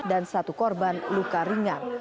dan satu korban luka ringan